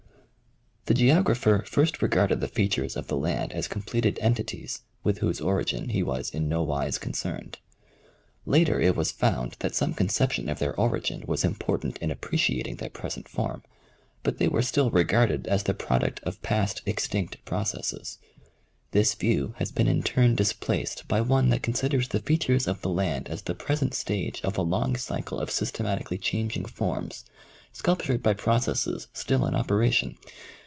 The geographer first regarded the features of the land as com pleted entities, with whose origin he was in no wise concerned. Later it was found that some conception of their origin was im portant in appreciating their present form, but they were still regarded as the product of past, extinct processes. This view has been in turn displaced by one that considers the features of the land as the present stage of a long cycle of systematically changing forms, sculptured by processes still in operation.